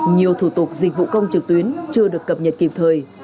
nhiều thủ tục dịch vụ công trực tuyến chưa được cập nhật kịp thời